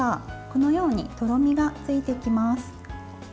このようにとろみがついてきます。